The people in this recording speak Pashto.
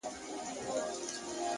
علم د ذهن ځواک دی!.